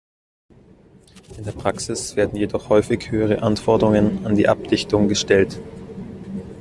In der Praxis werden jedoch häufig höhere Anforderungen an die Abdichtung gestellt.